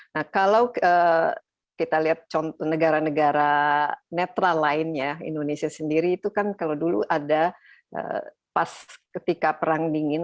nah kalau kita lihat negara negara netral lainnya indonesia sendiri itu kan kalau dulu ada pas ketika perang dingin